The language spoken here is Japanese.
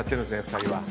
２人は。